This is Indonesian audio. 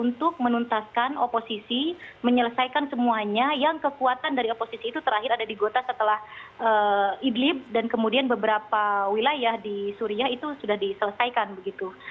untuk menuntaskan oposisi menyelesaikan semuanya yang kekuatan dari oposisi itu terakhir ada di gota setelah idlib dan kemudian beberapa wilayah di suria itu sudah diselesaikan begitu